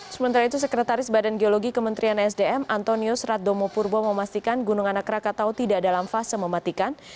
sementara itu sekretaris badan geologi kementerian sdm antonius radomo purbo memastikan gunung anak rakatau tidak dalam fase mematikan